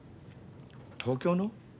東京の？